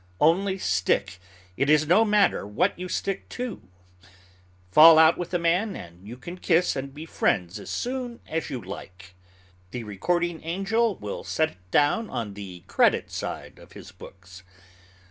Only stick, it is no matter what you stick to. Fall out with a man, and you can kiss and be friends as soon as you like; the recording angel will set it down on the credit side of his books.